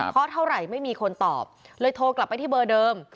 เพราะเท่าไหร่ไม่มีคนตอบเลยโทรกลับไปที่เบอร์เดิม